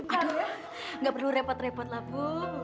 aduh gak perlu repot repot lah bu